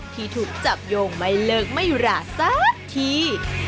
ที่ถูกจับโยงไม่เลิกไม่หราสักที